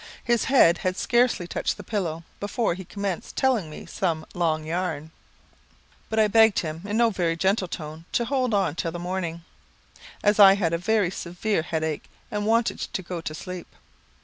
His head had scarcely touched the pillow before he commenced telling me some long yarn; but I begged him, in no very gentle tone, to hold on till the morning, as I had a very severe headache, and wanted to go to sleep.